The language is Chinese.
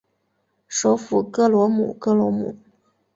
首府戈罗姆戈罗姆。